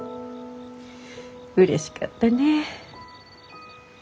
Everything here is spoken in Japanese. うれしかったねぇ。